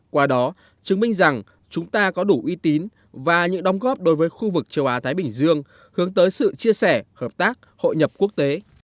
qua đó chứng minh rằng chúng ta có đủ uy tín và những đóng góp đối với khu vực châu á thái bình dương hướng tới sự chia sẻ hợp tác hội nhập quốc tế